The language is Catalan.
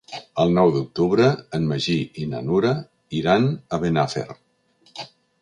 El nou d'octubre en Magí i na Nura iran a Benafer.